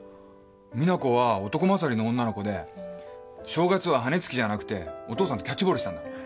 実那子は男勝りの女の子で正月は羽根突きじゃなくてお父さんとキャッチボールしたんだ。